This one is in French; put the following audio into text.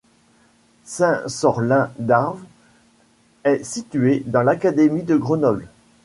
Saint-Sorlin-d'Arves est située dans l'académie de Grenoble.